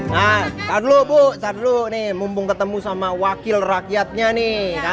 jangan lupa untuk menikmati video terbaru dari policeman lo kita